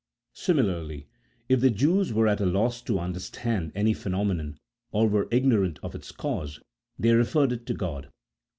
Similarly, if the Jews were at a loss to understand any phenomenon, or were ignorant of its cause, they referred it to God.